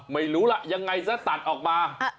ไม่รู้ล่ะยังไงซะตัดออกมา